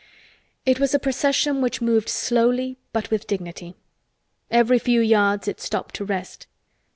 It was a procession which moved slowly but with dignity. Every few yards it stopped to rest.